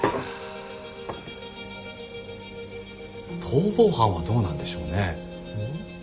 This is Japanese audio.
逃亡犯はどうなんでしょうね。